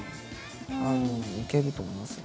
いけると思いますよ。